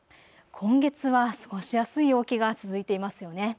今月は過ごしやすい陽気が続いていますよね。